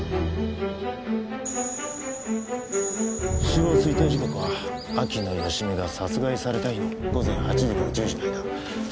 死亡推定時刻は秋野芳美が殺害された日の午前８時から１０時の間。